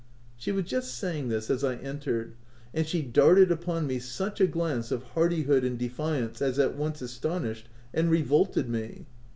She was just saying this as I entered, and she darted upon me such a glance of hardihood and defiance as at once astonished and revolted me.